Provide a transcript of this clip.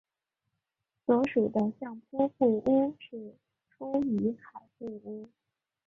所属的相扑部屋是出羽海部屋。